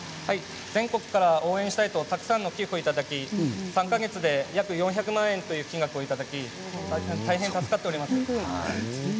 全国から応援したいとたくさんの寄付をいただき３か月で約４００万円という金額をいただき大変助かっております。